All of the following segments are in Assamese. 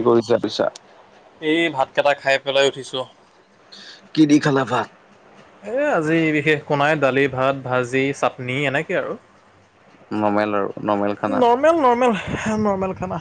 কি কৰিছা পিছে, এই ভাতকেইটা খাই পেলাই উঠিছোঁ। কি দি খালা ভাত, এই আজি বিশেষ একো নাই দালি, ভাত, ভাজি, চাটনি, এনেকে আৰু নৰ্মেল আৰু নৰ্মেল খানা। নৰ্মেল নৰ্মেল নৰ্মেল খানা,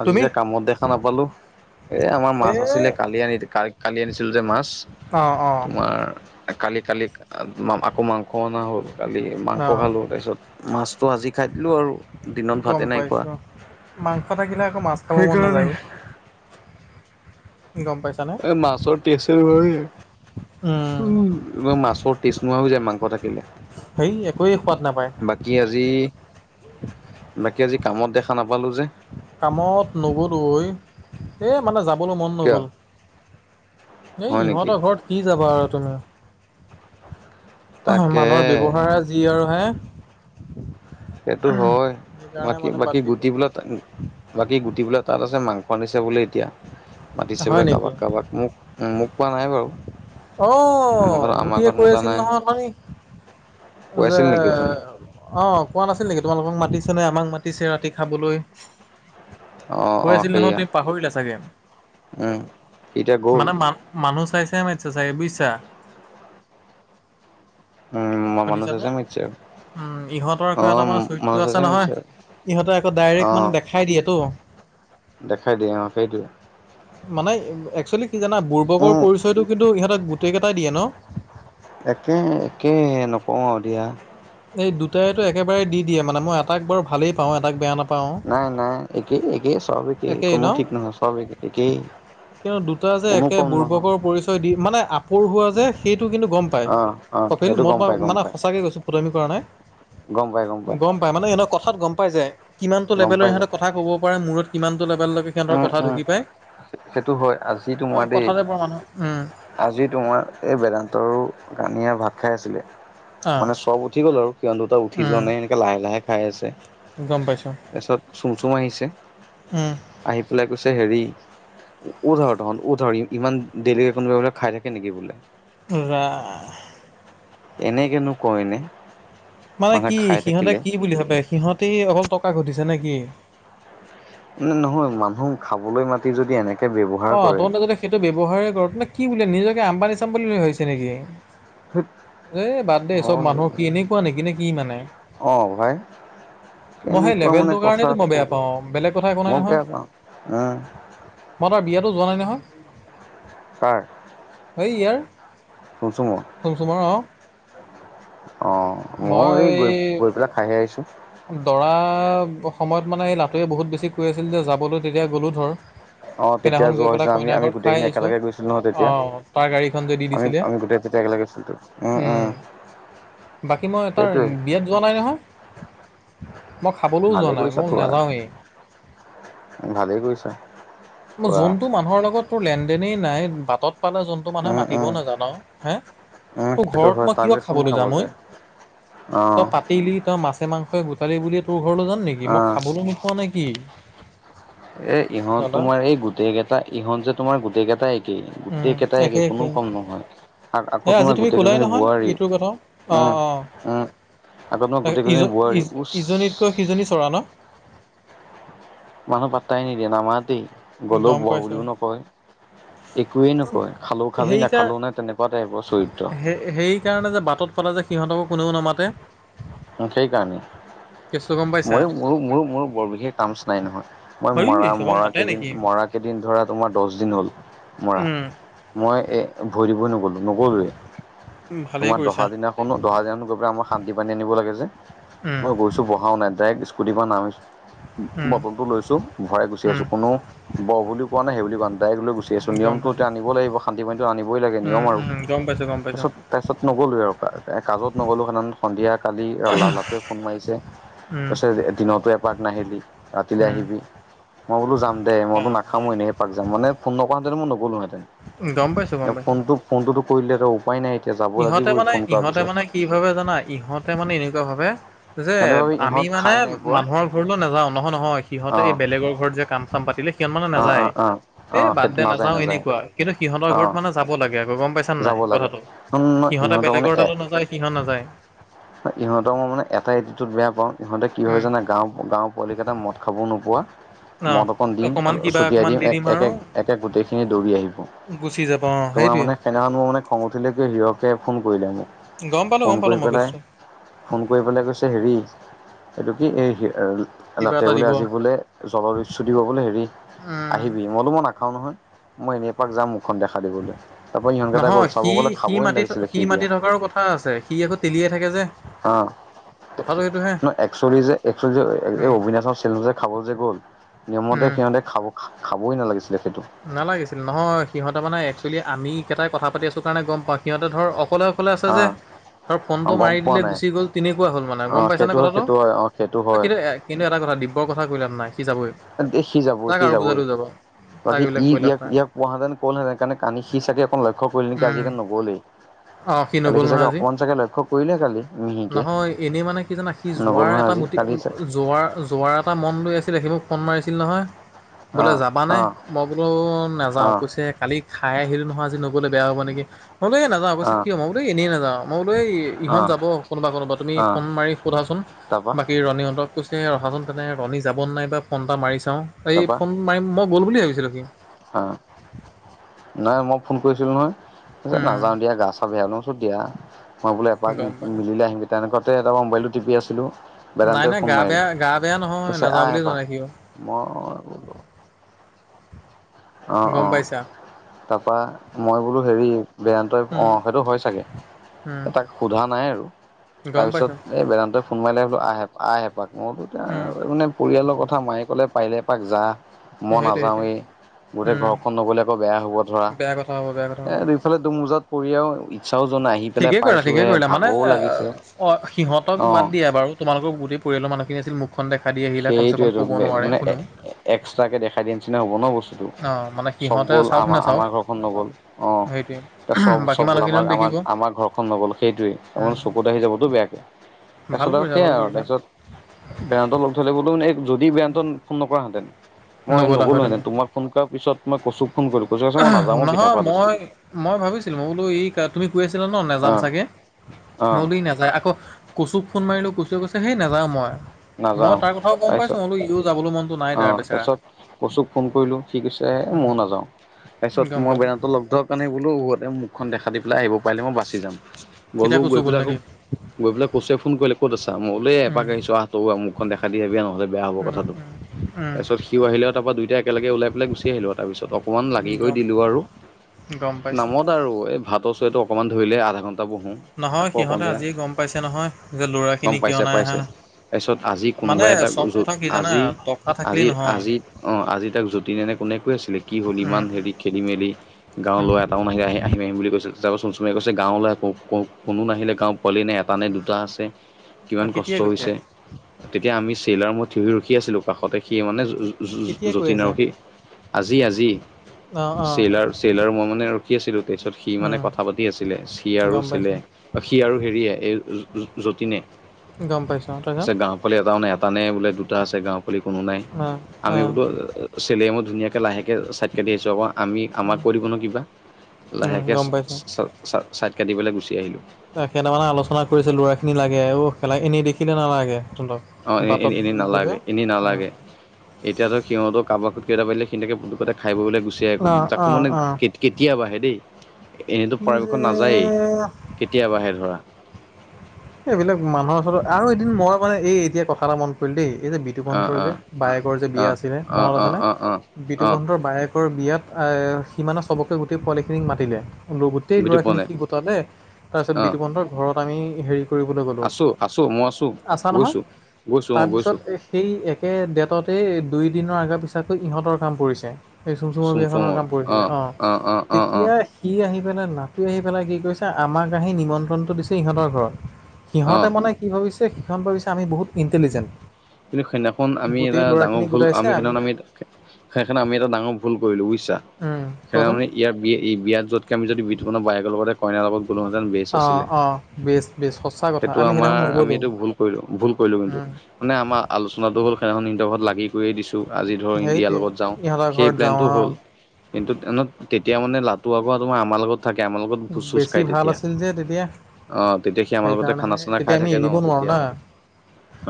আজি তুমি? যে কামত দেখা নাপালো। এ আমাৰ এ মাছ, আছিলে কালি আনি কালি আনিছিলো যে মাছ। অ' অ' তোমাৰ কালি কালি আকৌ মাংস অনা হ'ল, কালি মাংস, অ' খালোঁ তাৰপিছত মাছটো আজি খাই দিলোঁ আৰু দিনত গম ভাতে নাই খোৱা। পাইছোঁ। মাংস থাকিলে আকৌ মাছ খাব মন সেইকাৰণে নাযায়। গম পাইছো। এই মাছৰ টেষ্ট [unintelligible] উম। উ এক মাছৰ টেজ নোহোৱা হৈ যায় মাংস থাকিলে। হেই একোৱেই সোৱাদ নাপায়। বাকী আজি বাকী আজি কামত দেখা নাপালোঁ যে। কামত নগলো অই এই মানে যাবলৈ মন কিয় নগ'ল। এই হয় নেকি? ইহঁতৰ ঘৰত কি যাবা আৰু তুমি। তাকে মানুহৰ ব্যৱহাৰ যি আৰু হে, সেইটো হয়। সেইকাৰণে বাকী মানে বাদ বাকী দিলোঁ গুটিবিলাক। বাকী গুটি বিলাক তাত আছে মাংস আনিছে বোলে এতিয়া। আৰু মাতিছে হয় বোলে নেকি? কাৰোবাক কাৰোবাক মোক মোক পোৱা নাই বাৰু, অ আমাৰ ঘৰত আমাৰ গোটেই ঘৰত কৈ মতা আছিল নাই নহয় এখন কৈ যে, আছিল নেকি অথনি অ কোৱা নাছিল নেকি তোমালোক মাতিছে নে আমাক মাতিছে ৰাতি খাবলৈ, অ কৈ অ আছিল নহয় সেয়া তুমি পাহৰিলা চাগে উম এতিয়া গ'ল মানে মান মানুহ চাইছে মাতিচে চাগে বুজিছা, উম মানুহ চাই শুনিছানে চাই মাতিছে আৰু উম ইহঁতৰ অ আকৌ এটা মান মানুহ চৰিত্ৰ চাই আছে চাই মাতিছে নহয়। আৰু ইহঁতে আকৌ অ ডাইৰেক্ট মানে দেখাই দিয়েতো, দেখাই দিয়ে অ সেইটোৱে, মানে একচুৱেলি কি জানা বুৰ্বকৰ উম পৰিচয়টো কিন্তু ইহঁতে গোটেই কেইটাই দিয়ে ন। একে একে নকওঁ আৰু দিয়া। এই দুটাইতো একেবাৰে দি দিয়ে মানে মই এটাক বাৰু ভালেই পাওঁ এটাক বেয়া নাপাওঁ, নাই নাই একেই একেই চব একেই কোনো ঠিক নহয় চব একেই। কিয় দুটা যে কোনো একে কম নহয় বুৰ্বকৰ পৰিচয় দি মানে আপোৰ হোৱা যে। সেইটো কিন্তু গম পায় অ অ কপিল সেইটো মোৰ গম পৰা পাই গম মানে পাই সঁচাকৈ কৈছো। কৰা নাই গম পাই মানে এনে কথাত গম পাই যায়। কিমানটো গম লেভেলৰ পাই ইহঁতে যায় কথা ক'ব পাৰে মূৰত কিমানটো লেভেললৈকে সিহঁতৰ উম কথা উম ঢুকি পায়। সেইটো হয় আজি অ তোমাৰ দেই কথা টাইপৰ মানুহ উম। আজি তোমাৰ এই বেদান্তৰো কানিয়া ভাত খাই আছিলে। অ মানে চব উঠি গ'ল আৰু সিহঁত দুটা উঠি উম যোৱা নাই, এনেকে লাহে লাহে খাই আছে গম পাইছোঁ তাৰপিছত চুম চুম আহিছে। উম, আহি পেলাই কৈছে হেৰি উঠ আৰু তহঁত উঠ আৰু ইমান দেৰিলৈকে কোনোবাই বোলে খাই থাকে নেকি বোলে ৰা এনেকেনো কৈয় নে- মানে কি সিহঁতে কি বুলি ভাবে, সিহতে অকল টকা ঘটিছে নে কি? উমম নহয়, মানুহ খাবলৈ মাতি যদি এনে অ তহতে যদি সেইটো ব্যৱহাৰেই কৰ ত কি বুলি নিজকে আম্বানি চাম্বানি বুলি ভাবিছে নেকি এ বাদ দে চব হয় মানুহৰ কি এনেকুৱা নেকি নে কি মানে। অ ভাই মই সেই কেনেকুৱা মানে লেবেলটোৰ কথা কাৰণেটো মই বেয়া পাও, বেলেগ কথা একো নাই মই নহয় বেয়া পাওঁ উম। মই তাৰ বিয়াটো যোৱা নাই নহয় কাৰ? সেই ইয়াৰ। ফুংচুমৰ? ফুংচুমৰ অঁ। অ মইয়ো এই গৈ -গৈ পেলাই খাইহে আহিছো। দৰা সময়ত মানে এই লাটুৱে বহুত বেছি কৈ আছিল যে, যাবলৈ তেতিয়া গ'লোঁ ধৰ অ তেতিয়া সেইদিনাখন গৈ যোৱা হৈছে পেলাই আমি- কইনা আমি ঘৰত খাই গোটেইখিনি আহিছোঁ একেলগে গৈছিলো নহয় অ তেতিয়া, তাৰ গাড়ীখন যে দি আমি দিছিলে -আমি গোটেই তেতিয়া একেলগে উম উম। বাকী মই তাৰ সেইটোৱে বিয়াত যোৱা নাই নহয় মই খাবলৈও ভালে যোৱা নাই কৰিছা মই থোৱা নাযাওঁৱেই। ভালেই কৰিছ। যোনটো মানুহৰ লগত তোৰ লেন-দেনেই নাই বাটত- পালে যোনটো মানুহে উম উম মাতিবও নাজান হে, উম তোৰ সেইটো হয় ঘৰত মই কিয় তাৰপিছত কোন খাবলৈ খাব যাম অই যায় অ তই পাতিলি তই মাছে মাংসই গোটালি বুলি তোৰ ঘৰলৈ যাম নেকি, অ মই খাবলৈ নোপোৱা নেকি? এ ইহঁত তোমাৰ এই গোটেই কেইটা ইহঁত যে তোমাৰ গোটেই কেইটাই এ কেই গোটেই কেইটাই একে কোনো কম নহয় আৰু আকৌ তোমাৰ গোটেই কেইজনী বোৱাৰীও। অঁ অঁ, তোমাৰ ইজ গোটেইকেইজনী বোৱাৰী উচ -ইজ-ইজনীতকৈ সিজনী চৰা ন? মানুহ পাত্তাই নিদিয়ে নামাতেই গ'লেও গম বহ পাইছো বুলিও নকয়, একোৱেই নকয়, খালেও খাবি সেই কাৰ নাখালেও নাই তেনেকে প চু [unintelligible] সেই সেইকাৰণে যে বাটত পালে যে সিহঁতকো কোনেও নামাতে সেই কাৰণে, কেছটো গম পাইছা মইয়ো মোৰো মোৰো মোৰো বৰ বিশেষ ট্ৰামচ নাই নহয়। মই হয় মৰা চবক মৰা মাতে কেইদিন নেকি মৰা কেইদিন ধৰা তোমাৰ দশ দিন হ'ল। মৰা উম। মই এই ভৰি দিবই নগলোঁ নগলোৱেই, ভালেই তোমাৰ কৰিছা দহা দিনা- কোন দহাদিনাখন গৈ পেলাই আমাৰ শান্তি পানী আনিব লাগে যে, উম মই গৈছো বহাও নাই, ডাইৰেক্ট স্কুটিৰ পৰা নামিছো, উম বটলটো লৈছোঁ, ভৰাই গুচি উম আহিছোঁ। কোনো বহ বুলি কোৱা নাই, সেই বুলি কোৱা ডাইৰেক্ট লৈ গুচি - দেচোন গম নিয়মটো পাইছো এতিয়া আনিবই লাগিব শান্তি পানীটো আনিবই লাগে উম নিয়ম আৰু, উম গম পাইছো গম পাইছো তাৰপিছত তাৰপিছত নগলোৱে আৰু কাজত নগ'লো সাধান- সন্ধিয়া কালি লালাটোৱে ফোন মাৰিছে, উম কৈছে যে দিনতো এপাক নাহিলি ৰাতিলে উম আহিবি, মই বোলো যাম দে মই বোলো কাম নাখামো নাই এনে - যাম, মানে ফোন নকৰা হেতেন মই নগ'লো হেতেন, গম পাইছো গম পাইছো ফোনটো ফোনটোতো কৰিলেহ উপায় নাই। এতিয়া যাব ইহঁতে লাগিবই মানে ফোন কৰাৰ ইহঁতে পিছত মানে কি ভাবে জানা ইহঁতে মানে এনেকুৱা ভাৱে- যে সিহঁতে ভাবি আমি ইহঁত মানে খাই নাই পোৱা মানুহৰ ঘৰলৈ নাযাও, নহয় নহয় অ সিহঁতে এই বেলেগৰ ঘৰত যে কাম সকাম পাতিলে সিহঁত মানে অ অ নাযায়। অ অ এ সেইটো বাদদে নাযায় নাযাও নাযায় এনেকুৱা, কিন্তু সিহঁতৰ অ ঘৰত মানে যাব লাগে আকৌ গম পাইছ নে যাব নাই লাগে কথাটো সিহঁতে বেলেগৰ তালো নাযায় সিহঁত নাযায়। ইহঁতক মই মানে এটাই এতিটিউড বেয়া পাওঁ, ইহঁতে কি হয় উম, জানা গাও গাও পোৱালিকেইটা মদ খাবও নোপোৱা, অ, মদ অকণ দিম অকমান কিবা ছটিয়াই অকমান দিম দি এক এক আৰু একে গোটেইখিনি দৌৰি আহিব। গুচি যাব অ তোমাৰ সেইটোৱে। মানে সেইদিনাখন মোৰ মানে খং উঠিলে কি, হিৰকে ফোন কৰিলে মোক। গম পালো, ফোন গম পালো, কৰি মই পেলাই কেচটো। ফোন কৰি পেলে কৈছে হেৰি, এইটো কি এই হে কিবা নাতে এটা বোলে দিব আজি বোলে, জলবিচ্যুদি দিব বোলে হেৰি উম, আহিবি। মই তোমা মই নাখাও নহয়। মই এনে এপাক যাম মুখখন দেখা দিবলে। নহয় সি সি মাতি সি মাতি থকাৰো কথা আছে, সি আকৌ তেলিয়াই থাকে যে। অ'। কথাটো সেইটোহে। ন একচোলি যে, একচোলি যে এ উম, অবিনাশৰ চেলো যে খাবলে যে গ'ল নিয়মমতে উম। সিহতে খাব খাবই নালাগিছিলে সেটো নালাগিছিল। নহয়, সিহঁতে মানে একচোৱেলি আমি কেইটাই কথা পাতি আছোঁ কাৰণে গম পাওঁ সিহঁতে ধৰ অকলে অকলে আছে হা যে। তৰ ফোনটো গম মাৰি পোৱা দিলে নাই গুচি গ'ল তেনেকুৱা হল মানে অ গম পাইছা নে সেইটো হয় কথাটো। সেইটো হয় অ সেইটো হয় কিন্তু এ কিন্তু এটা কথা, দিব্যৰ কথা কৈ লাভ নাই। সি যাবই এ সি যাব, তাক সি আৰু যাবই। বুজালেও যাব। তাক আজি এইবিলাক কৈ লাভ নাই ই-ইয়াক-ইয়াক কোৱাহেতেন কলহেঁতেন কাৰণে কালি সি চাগে অকণ লক্ষ্য কৰিল নেকি উম, আজি কাৰনে নগ'লেই। অ', সি কালি নগল চাগে নহয় আজি। অকণমান চাগে লক্ষ্য কৰিলে কালি মিহিকে নহয়, এনেই মানে কি জানা সি নগ'ল যোৱাৰ নহয় এটা আজি মটি, কালি চাগে জোৱাৰ জো যোৱাৰ এটা মন লই আছিলে, সি মোক ফন মাৰিছিল নহয় অ বোলে যাবানে। অ মই বোলো অ নাযাওঁ, কৈছে কালি খাই আহিলোঁ নহয় আজি নগলে বেয়া হ'ব নিকি। মই বোলো এ নাযাও, অ কছে কিয়? মই বোলো এনেই নাযাওঁ। মই বোলো এই অ ইহঁত যাব কোনোবা কোনোবা তুমি অ ফ'ন মাৰি সোধাচোন তাৰপা বাকী ৰণীহঁতক। কৈছে ৰখাচোন তেনে ৰণী যাব নে নাই বা ফ'ন এটা মাৰি চাওঁ, এই ফ'ন মাৰিম মই গ'ল বুলি ভাবিছিলোঁ সি। হা', নাই মই ফোন কৰিছিলো নহয়, কৈছে উম, নাযাও দিয়া গা-চা বেয়া ন। দিয়া। মই বোলে এপাক গম পাই মিলিলে আহিম কে তেনেকুৱাতে তাপা মোবাইলটো টিপি আছিলো নাই বেদান্তই নাই ফোন গা মাৰিলে, বেয়া গা বেয়া নহয় কৈছে নাযাওঁ আহ বুলিয়ে এপাক, জনাই সি মই অ বোলো অ', গম অ', পাইছা তাপা মই বোলো হেৰি বেদান্তই উম, অ', সেইটো হয় চাগে। উম, তাক সোধা নাই আৰু, গম তাৰছত পাইছোঁ এই বেদান্তই ফোন মাৰিলে বোলো আহে এপা-আহ এপাক মই বোলো এতি উম'। মানে পৰিয়ালৰ কথা মায়ে ক'লে পাৰিলে এপাক যা, মই সেইটোৱে সেইটোৱে নাযাওঁৱেই। গোটেই উম, ঘৰখন নগ'লে আকৌ বেয়া হ'ব ধৰা। বেয়া কথা হ'ব বেয়া কথা এ হ'ব দুফালে দুমোজাত পৰি আৰু ই ছাওজন আহি পেলাই ঠিকে কৰিলা, ঠিকে পাইছোহে কৰিলা, মানে ভাগৰো লাগিছে অ অ সিহতক বাদ দিয়া বাৰু তোমালোকৰ গোটেই পৰিয়ালৰ মানুহখিনি আছিল মুখখন দেখা দি আহিলে কমচে-কম ক'ব নোৱাৰে কোনেও। একস্টাকে দেখাই দিয়া নিচিনা হ'ব ন বস্তু অ মানে চব সিহঁতে গ'ল চাওক নাচাওক আমা-আমাৰ ঘৰখন নগ'ল। অ', সেইটোৱে এ চব বাকী চব গ'ল আমাৰ মানুহখিনিয়ত আমাক দেখিব আমাৰ ঘৰখন নগ'ল সেইটোৱেই, তাৰ মানে উম, চকুত আহি যাবতো বেয়াকে। ভাল তাৰছত আৰু কৰিছা ভাল সেয়াই আৰু কৰিছা তাৰছত বেদান্তই লগ ধৰিলে গলো, এ যদি বেদান্তই ফ'ন নকৰাহেতেন, মই নগ'লা হয় নগলোহেঁতেন। তোমাক ফোন কৰা পিছত মই কচুক ফোন কইলো আহ নহয় মই মই ভাবিছিলো মই বোলো ই কা তুমি কৈ আছিলা ন নেযাম অঁ চাগে, মই অঁ বোলো ই নাযায় আকৌ কচুক ফোন মাৰিলো কচুৱে কৈছে সেই নযাওঁ মই। মই নাযাওঁ তাৰ কথাও গম পাইছো মোলো ইও যাবলৈ মন অ', তাৰছত কচুক ফোন কৰিলোঁ সি কৈছে, এ উম, ময়ো নাযাওঁ। গম তাৰছত মই পাইছোঁ বেদান্ত লগ ধৰা কাৰণে গলো, যাতে মুখখন দেখা দি পেলাই আহিব পাৰিলে মই বাচি যাম। তেতিয়া গ'লোঁ, কচু গৈ গ'ল পেলাই আকৌ নেকি গৈ পেলাই কছোয়ে ফোন কৰিলে, ক'ত আছা? মই বোলে এ উম। এপাক আহিছো আহ তয়ো আহ, মুখখন দেখা দিয়ে আহিবি আ নহ'লে বেয়া হব উম, কথাটো। উম, উম, তাৰপিছত সিও আহিলে আও তাৰ পৰা দুইটা একেলগে ওলাই পেলাই গুচি আহিলো তাৰপিছত অকমান উম, লাগি গম কৰি দিলো আৰু। গম পাই নামত আৰু এই ভাতৰ চৰিয়াটো অকমান ধৰিলে আধা ঘণ্টা বহোঁ। নহয় আকৌ অকণ সিহঁতে দেৰি আজিয়ে গম পাইছে নহয়, যে গম ল'ৰাখিনি কিয় পাইছে নাই পাইছে আহা? তাৰপিছত আজি কোনোবা মানে এটা চব কথা কি জানা আজি ট আজি আজি অ আজি তাক যতীন এনে কোনে কৈ আছিলে কি হলি উম, ইমান হেৰি খেলি মেলি গাঁও উম, লৰা এটাও নাহিলে আহি আহিম আহিম বুলি কৈছিল চাবাচোন চুমে কৈছে গাঁও লৰাই কো কো কোনো নাহিলে গাঁও পোৱালি নে এ পানে উম, দুটা আছে, কিমান অ', কষ্ট কেতিয়া কৈছে? হৈছে তেতিয়া আমি চেইলাৰ মই থিয় ৰখি আছিলোঁ। কাষতে সি মানে য য য য কেতিয়া কৈ যতীন আছে? আৰু সি আজি আজি। অ', অ', চেইলাৰ - চেইলাৰ মই মানে ৰখি আছিলোঁ তাৰপিছত সি মানে উম, কথা পাতি আছিলে, সি আৰু গম চেলে। পাইছোঁ, সি আৰু হেৰিয়ে এই য য য যতীনে। গম পাইছোঁ অ তাৰপিছত? পোৱালি এটাও নাই, এটা নাই বোলে দুটা আছে গাঁও পোৱালি কোনো নাই, অ', আমি অ', বোলো আ আ চেলে মই ধুনীয়াকে লাহেকে ছাইড কাটি আহিছোঁ আক আমি আমাক কৈ দিব ন কিবা? উম, লাহেকে গম পাইছোঁ। ছা ছা ছাইট কাটিবলৈ গুচি আহিলোঁ। এ সেনা মানে আলোচনা কৰিছিলোঁ ল'ৰাখিনি লাগে অ খেলা এনেই দেখিলে নালাগে তহঁতক। অ এ এ বাটত এনে গ'লে নালাগে, এনে নালাগে। অ', এতিয়া ধৰ সিহঁতৰ কাবাক কেতা বাজিলে সেনটাকে দুকাতে খাই বৈ বুলে গুচিয়াই পাম অ', যাকো অ', মানে অ', কেত কেতিয়াবাহে দেই, এনেইতো কি পৰাপক্ষত নাযায়েই যে কেতিয়াবাহে ধৰা। সেইবিলাক মানুহৰ ওচৰত আৰু এদিন মই আক মানে এই এতিয়া কথা এটা মন পৰিল দেই এই যে বি অ বিতুপন্তৰ অ যে বায়েকৰ যে বিয়া অ', আছিলে অ', মনত অ', আছেনে? অ', অ', অ', বিতুপন্তৰ বায়েক কৰ বিয়াত আহ সিমানে চবকে গোটেই পোৱালিখিনিক মাতিলে গোটেই বুজি পোৱা ল'ৰাখিনি নাই সি গোটালে তাৰপিছত অ', বিতুপন্তৰ ঘৰত আমি হেৰি কৰিবলৈ গ'লো, আছো আছো মই আছো আছা নহয় গৈছো গৈছো অ', গৈছো তাৰপিছত এই সেই একে ডেটতেই দুই দিনৰ আগে পিছাকৈ ইহঁতৰ কাম পৰিছে। এই চুম চুমৰ বিয়াখনৰ চুমচুমত কাম কৰিছিলে অ অ', অ', অ', তেতিয়া কি আহি পেলাই নাটোৱে আহি পেলাই কি কৰিছে আমাক আহি নিমন্ত্ৰণটো দিছে ইহঁতৰ ঘৰত। অ', সিহঁতে মানে কি ভাবিছে সিহঁত ভাবিছে আমি বহুত ইণ্টেলিজেণ্ট। কিন্তু সেইদিনাখন আমি গোটেই এটা ডাঙৰ ল'ৰাখিনি ভুল গোটাইছে আমি সেনাখন আমি তাকে সেইকাৰনে আমি এটা ডাঙৰ ভুল কৰিলো বুজিছা? ওম সেইদিনা কোৱাচোন? মানে ইয়াৰ বি এই বিয়াত যোৱাতকে আমি বিতুপনৰ বায়েকৰ লগতে কইনাৰ লগত কোলোহেতেন বেচ অ আছিলে, অ বেচ বেচ সঁচা কথা সেইটো আমি সেইদিনাখন আমাৰ আমি নগ'লো। এইটো ভুল কৰিলো ভুল কৰিলো কিন্তু উম মানে আমাৰ আলোচনাটো হ'ল সেইদিনাখন নিনহেতৰ ঘৰত লাগি কৈয়ে দিছোঁ, আজি ধৰক ইণ্ডিয়াৰ সেইটোৱে লগত ইহঁতৰ যাওঁ সেই ঘৰত যাওঁ প্লেনটো অ। হ'ল কিন্তু ট্ৰেইনত তেতিয়া মানে লাটো আগৌ তোমাৰ আমাৰ লগত থাকে আমাৰ লগত ভোজ - চোজ বেছি খায় ভাল তেতিয়া। আছিল যে তেতিয়া অ তেতিয়া সি আমাৰ লগতে খানা সেইকাৰণেহে - চানা খাই তেতিয়া আমি থাকে ন এৰিব নোৱাৰো তেতিয়া, না।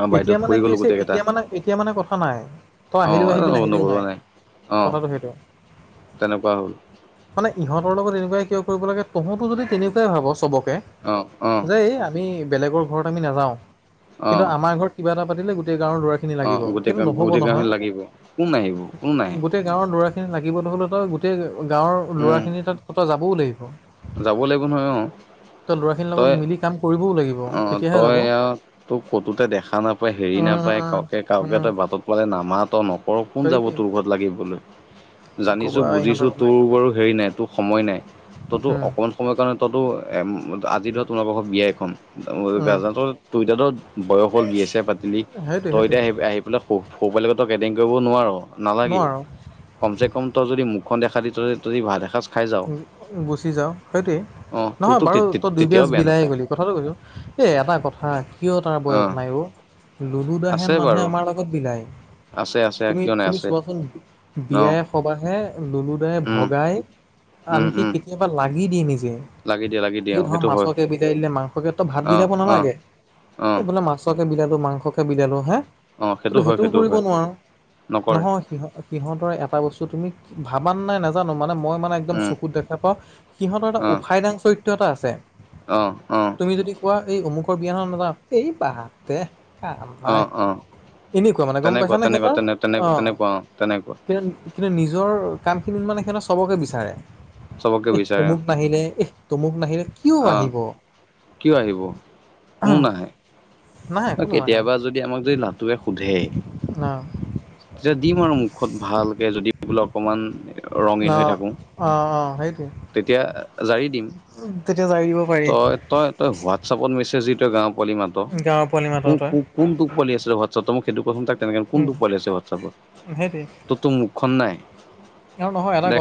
অ এতিয়া বাইদেউত মানে পৰি কি গ'লো হৈছে গোটেই কেইটা। এতিয়া মানে এতিয়া মানে কথা নাই। তই আহিলেও আহিবি অ' নাহিলেও নগলোৱা নাই। অ' কথাটো সেইটো। তেনেকুৱা হ'ল। মানে ইহতৰ লগত এনেকুৱাই কিয় কৰিব লাগে, তহতো যদি তেনেকুৱাই ভাব চবক পে অ' অ' যে এই আমি বেলেগৰ ঘৰত আমি নাযাওঁ কিন্তু অ' আমাৰ ঘৰত কিবা এটা পাতিলে গোটেই গাঁৱৰ ল'ৰাখিনি অ' লাগিব গোটেই সেইটো নহ'ব গোটেই গাঁওখন নহয়। লাগিব কোন আহিব কোন নাহে গোটেই গাঁৱৰ ল'ৰাখিনি লাগিবলৈ হ'লে তই গোটেই গাঁৱৰ উম। ল'ৰাখিনি তাত ত যাবও লাগিব। যাব লাগিব নহয় অ। তই ল'ৰাখিনিৰ লগত তই মিলি কাম কৰিবও লাগিব অ তেতিয়াহে তই যাব ইয়াততো কতোতে দেখা না পই হেৰি উম নাপায় উম কাওকে কাওকে উম তই বাটত পালে নামাত, নকৰ, কোন যাব সেইটোৱে তোৰ ঘৰত লাগিবলৈ? কি জানিছোঁ ক'বা ইহঁতৰ বুজিছোঁ কথা তোৰ বাৰু হেৰি নাই তোৰ সময় নাই ততো উম অকণ সময়ৰ কাৰণে ত'তো আজি ধৰ তোমালোকৰ ঘৰত বিয়া এখন উম গাজাৰতো তই এতিয়াতো বয়স হ'ল বিয়া চিয়া পাতিলি সেইটোৱে তই সেইটোৱে এতিয়া আহি আহি পেলাই স সৰু পোৱালিহতক এডিং কৰিব নোৱাৰ নালাগেও। নোৱাৰো কমচে কম তই যদি মুখখন দেখা দি তই তই ভাত এসাঁজ খাই যাওঁ উম গুচি যাওঁ সেইটোৱেই, অ নহয় তোকতো বাৰু তই তেতিয়াও দুইবিয়াজ বেয়া বিলায়ে নাপায় গ'লি কথাটো কৈছো এই এটা কথা কিয় তাৰ বয়স নাই অ' লুলুদা সেন আছে মানুহে বাৰু আমাৰ লগত বিলায় আছে আছে তুমি, কিয় নাই তুমি আছে চোৱাচোন অ বিয়াই সবাহে লুলু দাই উম ভগাই উম আনকি উম কেতিয়াবা লাগি দিয়ে নিজে। লাগি দিয়ে লাগি দিয়ে সেই অ ধৰ সেইটো হয় মাছকে বিজাই দিলে মাংসকে তই ভাত অ বিলাব অ নালাগে অ এই বোলে মাছ কে বিলালো মাংসকে বিলালো হে অ সেইটো তইতো হয় সেইটোও সেইটো কৰিব হয় নোৱাৰ নকৰে নহয় সিহ সহঁতৰে এটা বস্তু তুমি ভাবা নে নাই নাজানো, মানে মই মানে একদম উম চকুত দেখা পাওঁ সিহঁতৰ এটা অ', উফাই দাং চৰিত্ৰ এটা আছে। অ অ। তুমি যদি কোৱা এই অমুখৰ বিয়াখন নাযাওঁ এই বাদ দে কাম নাই। অ', অ', এনেকোৱা মানে গম তেনেকুৱা পাইছা নে সেত তেনেকুৱা তেনে তেনে অ তেনেকুৱা অ', তেনেকুৱা কিন্তু কিন্তু নিজৰ কামখিনিত মানে সিহঁতে চবকে বিচাৰে। চবকে এহ বিচাৰে অ', অমুক নাহিলে এহ তমুক নাহিলে। কিয় অ', আহিব কিয় আহিব আহ অ কেতিয়াবা যদি আমাক যদি লাটুৱে সোধে অ', তেতিয়া দিম আৰু মুখত ভালকে যদি বোলে অকমান ৰঙীন হৈ অহ! থাকোঁ অ অ সেইটোৱেই। তেতিয়া জাৰি দিম। তেতিয়া জাৰি দিব পাৰি। তই তই তই, হোৱাটছআপত মেছেজ দি তই গাঁওৰ পোৱালি মাত গাঁৱৰ পোৱালি কো মাতৰ তই, কো কোনটো পোৱালি আছে হোৱাটছএপত তই মোক সেইটো ক চোন তাক তেনেকে উম, কোনটো পোৱালি আছে হোৱাটছআপত। সেইটোৱে। তো মুখখন নাই। আৰু নহয় এটা ক দে